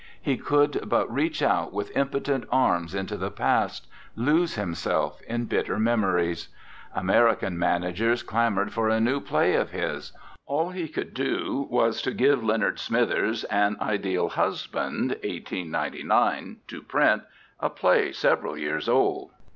He could but reach out with impotent arms into the past, lose him self in bitter memories. American man agers clamored for a new play of his; all he could do was to give Leonard Smithers "An Ideal Husband," 1899, to print, a play several years old.